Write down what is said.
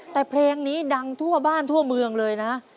แต่เพลงนี้ดังทั่วบ้านทั่วเมืองเลยนะ